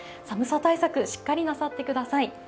寒さ対策、しっかりなさってください。